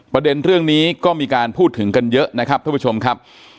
ประเด็นเรื่องนี้ก็มีการพูดถึงกันเยอะนะครับท่านผู้ชมครับ